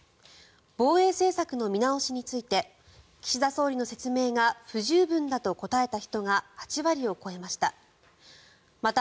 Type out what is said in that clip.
防衛政策の見直しについて岸田総理の説明が不十分だと答えた人が８割を超えました。